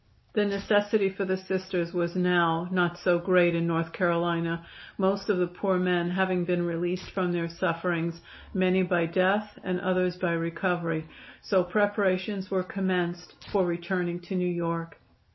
The necessity for the Sisters was now not so great in North Carolina most of the poor men having been released from their sufferings, many by death and others by recovery so preparations were commenced for returning to New York.